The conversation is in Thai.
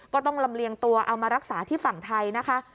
ต้องลำเลียงตัวเอามารักษาที่ฝั่งไทยนะคะ